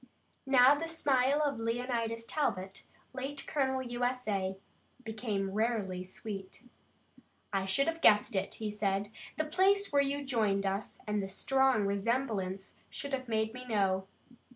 Now the smile of Leonidas Talbot, late colonel U. S. A., became rarely sweet. "I should have guessed it," he said. "The place where you joined us and the strong resemblance should have made me know.